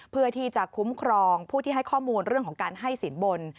เพื่อที่จะคุ้มครองผู้ที่ให้ข้อมูลเรื่องของการให้สินบน